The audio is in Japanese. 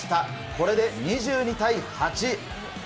これで２２対８。